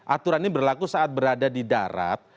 aturan ini berlaku saat berada di darat